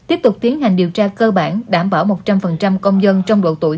tiếp tục tiến hành điều tra cơ bản đảm bảo một trăm linh công dân trong độ tuổi